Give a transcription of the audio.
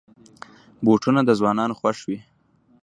بوټونه د ځوانانو خوښ وي.